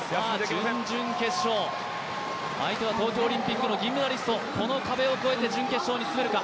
準々決勝、相手は東京オリンピックの銀メダリスト、この壁を越えて準決勝に進めるか。